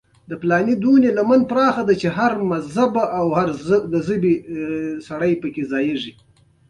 خو د کعبې کیلي له شیبه کورنۍ چا وانخیسته.